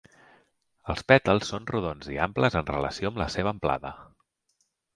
Els pètals són rodons i amples en relació amb la seva amplada.